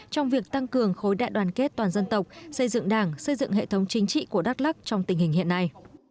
trong việc tăng cường khối đại đoàn kết toàn dân tộc xây dựng đảng xây dựng hệ thống chính trị của đắk lắc trong tình hình hiện nay